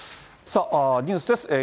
さあ、ニュースです。